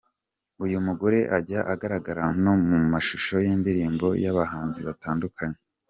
Uyu mugore ajya agaragara no mu mashusho y’indirimbo y’abahanzi batandukanye.